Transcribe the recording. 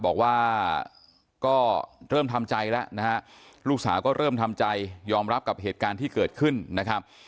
บอกว่าก็เริ่มทำใจแล้วนะฮะลูกสาวก็เริ่มทำใจยอมรับกับเหตุการณ์ที่เกิดขึ้นนะครับ